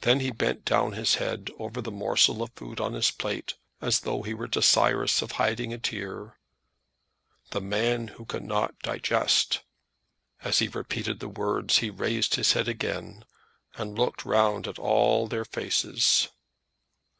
Then he bent down his head over the morsel of food on his plate, as though he were desirous of hiding a tear. "The man who cannot digest!" As he repeated the words he raised his head again, and looked round at all their faces.